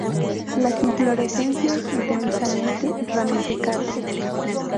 Las inflorescencias densamente ramificadas.